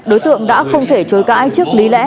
đối tượng đã không thể chối cãi trước lý lẽ